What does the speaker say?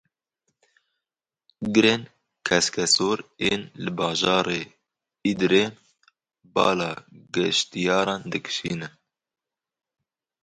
Girên keskesor ên li bajarê Îdirê bala geştiyaran dikişînin.